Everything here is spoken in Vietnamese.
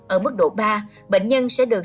ở mức độ ba bệnh nhân sẽ được